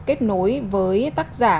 kết nối với tác giả